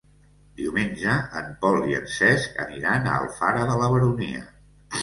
Diumenge en Pol i en Cesc aniran a Alfara de la Baronia.